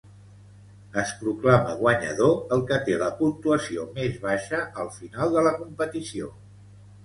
Es proclama guanyador el que té la puntuació més baixa al final de la competició.